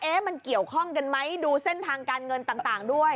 มันเกี่ยวข้องกันไหมดูเส้นทางการเงินต่างด้วย